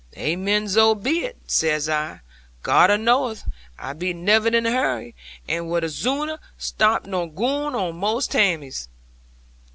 '"Amen, zo be it," says I; "God knoweth I be never in any hurry, and would zooner stop nor goo on most taimes."